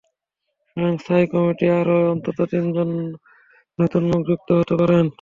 বরং স্থায়ী কমিটিতে আরও অন্তত তিনজন নতুন মুখ যুক্ত হতে পারেন।